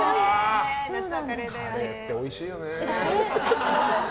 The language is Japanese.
カレーっておいしいよね。